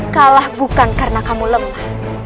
kalah bukan karena kamu lemah